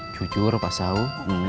jujur pak sau